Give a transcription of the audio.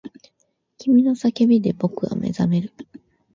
君の叫びで僕は目覚める